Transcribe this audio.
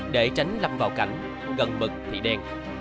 để tránh lâm vào cảnh gần mực thị đen